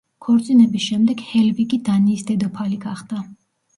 ქორწინების შემდეგ ჰელვიგი დანიის დედოფალი გახდა.